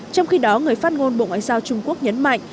trong khi đó người phát ngôn bộ ngoại giao trung quốc nhấn mạnh